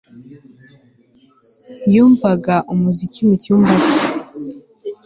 Yumvaga umuziki mu cyumba cye